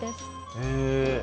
へえ。